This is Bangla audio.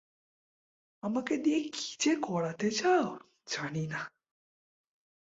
আমাকে দিয়ে কি যে করাতে চাও জানি না।